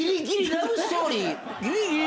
ラブストーリー。